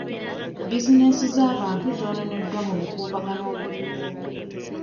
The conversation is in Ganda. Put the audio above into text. Bizinensi z'abantu zoonooneddwa mu bukuubagano obuliwo.